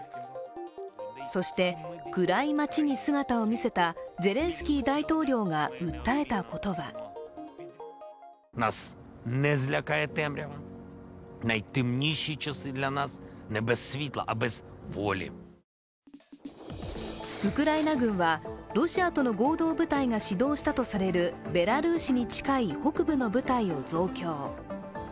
そして暗い街に姿を見せたゼレンスキー大統領が訴えたことはウクライナ軍はロシアとの合同部隊が始動したとされるベラルーシに近い北部の部隊を増強。